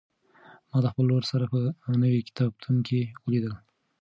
ما د خپل ورور سره په نوي کتابتون کې ولیدل.